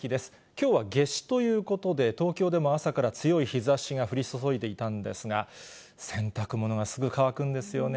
きょうは夏至ということで、東京でも朝から強い日ざしが降り注いでいたんですが、洗濯物がすぐ乾くんですよね。